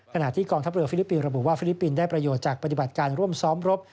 ขณะที่กองทัพเรือฟิลิปปินสระบุว่าฟิลิปปินส์ได้ประโยชน์จากปฏิบัติการร่วมซ้อมรบ